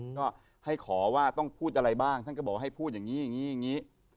ก็ให้ขอว่าต้องพูดอะไรบ้างท่านก็บอกให้พูดอย่างนี้อย่างนี้